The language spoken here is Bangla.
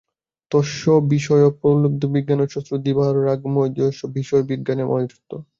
তস্য বিষয়োপলব্ধিলক্ষণস্য বিজ্ঞানস্য শুদ্ধিরাহারশুদ্ধি রাগদ্বেষমোহদোষৈরসংসৃষ্টং বিষয়বিজ্ঞানামিত্যর্থঃ।